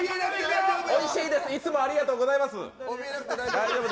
おいしいですいつもありがとうございます。